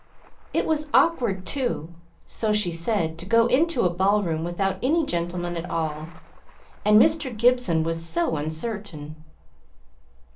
It was awkward too so she said to go into a ball room without any gentleman at all, and Mr. Gibson was so uncertain!